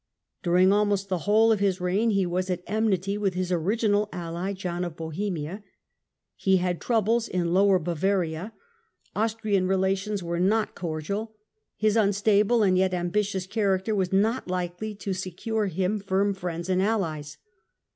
During almost the whole of his reign he was at enmity with his original ally John of Bohemia ; he had troubles in Lower Bavaria, Austrian relations were not cordial, his un stable and yet ambitious character was not likely to se cure him firm friends and allies.